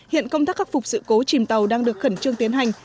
hiện công tác khắc phục sự cố chìm tàu đang được khẩn trương tiến hành